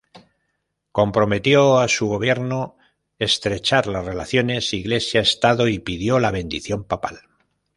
Comprometió a su gobierno estrechar las relaciones Iglesia-Estado y pidió la bendición papal.